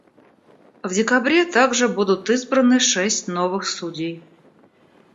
В декабре также будут избраны шесть новых судей.